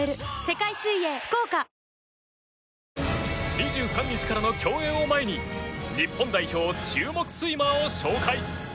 ２３日からの競泳を前に日本代表注目スイマーを紹介！